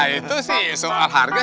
itu soal harga